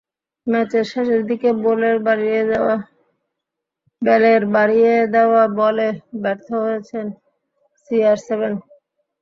ম্যাচের শেষের দিকে বেলের বাড়িয়ে দেওয়া বলে ব্যর্থ হয়েছেন সিআর সেভেন।